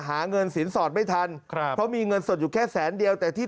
หาเงินสินสอดไม่ทันครับเพราะมีเงินสดอยู่แค่แสนเดียวแต่ที่